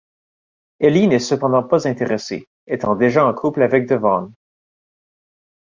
Ellie n'est cependant pas intéressée, étant déjà en couple avec Devon.